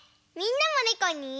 みんなもねこに。